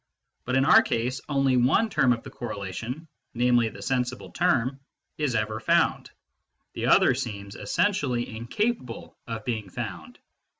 But in our case, only one term of the correlation, namely, the sensible term, is ever found : the other term seems essen i 4 6 MYSTICISM AND LOGIC tially incapable of being found.